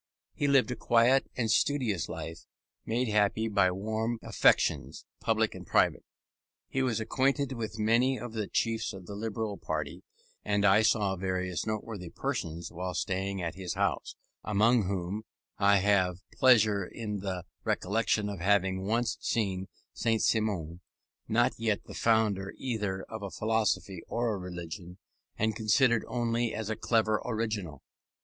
He lived a quiet and studious life, made happy by warm affections, public and private. He was acquainted with many of the chiefs of the Liberal party, and I saw various noteworthy persons while staying at this house; among whom I have pleasure in the recollection of having once seen Saint Simon, not yet the founder either of a philosophy or a religion, and considered only as a clever original.